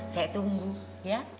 saya tunggu ya